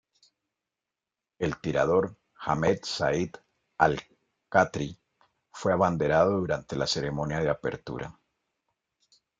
El tirador Hamed Said Al-Khatri fue el abanderado durante la ceremonia de apertura.